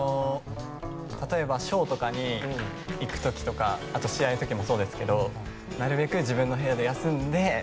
例えばショーとかに行く時とかあと、試合の時もそうですけどなるべく自分の部屋で休んで。